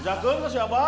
bisa ke terus si abah